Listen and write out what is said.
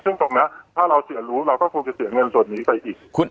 ซึ่งตรงนี้ถ้าเราเสียรู้เราก็คงจะเสียเงินส่วนนี้ไปอีก